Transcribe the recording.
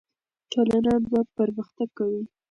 ټولنه به پرمختګ کوي.